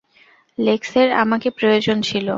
লেক্সের আমাকে প্রয়োজন ছিল।